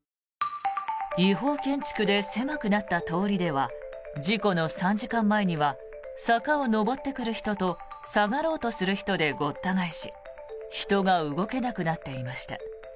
違法建築で狭くなった通りでは事故の３時間前には坂を上ってくる人と下がろうとする人でごった返し人が動けなくなっていました。